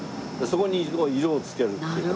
そこに色をつけるっていう。